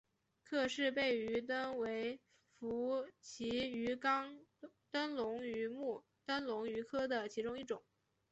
克氏背灯鱼为辐鳍鱼纲灯笼鱼目灯笼鱼科的其中一种。